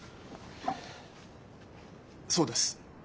そうです。